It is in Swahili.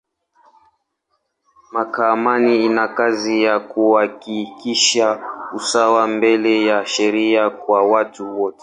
Mahakama ina kazi ya kuhakikisha usawa mbele ya sheria kwa watu wote.